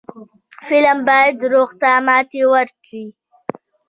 فلم باید دروغو ته ماتې ورکړي